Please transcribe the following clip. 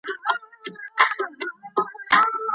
که د دوی دواړو پرته له بلي خوا څخه ايجاد سوی دی.